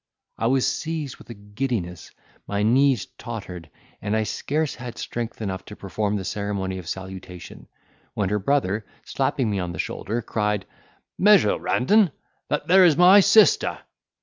I was seized with a giddiness, my knees tottered and I scarce had strength enough to perform the ceremony of salutation, when her brother, slapping me on the shoulder, cried, "Measure Randan, that there is my sister."